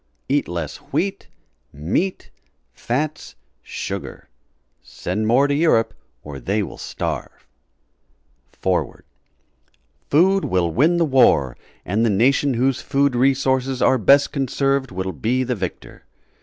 Eat less WHEAT MEAT FATS SUGAR Send more to Europe or they will Starve] FOREWORD Food will win the war, and the nation whose food resources are best conserved will be the victor.